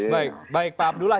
baik baik pak abdullah